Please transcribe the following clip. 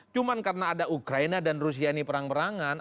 cuma karena ada ukraina dan rusia ini perang perangan